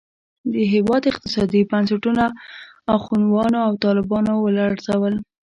د هېواد اقتصادي بنسټونه اخوانیانو او طالبانو ولړزول.